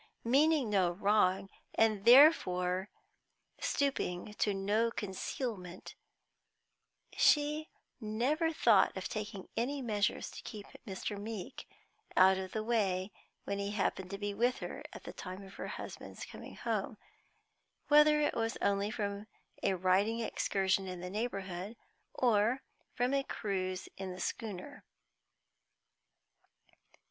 Meaning no wrong, and therefore stooping to no concealment, she never thought of taking any measures to keep Mr. Meeke out of the way when he happened to be with her at the time of her husband's coming home, whether it was only from a riding excursion in the neighborhood or from a cruise in the schooner.